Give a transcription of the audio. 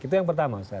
itu yang pertama ustaz